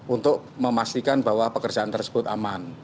untuk memastikan bahwa pekerjaan tersebut aman